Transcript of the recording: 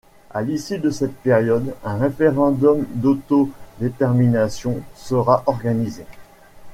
À l'issue de cette période, un référendum d'autodétermination sera organisé.